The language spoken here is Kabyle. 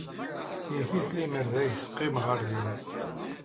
Yif-it lemmer d ay teddim ɣer din.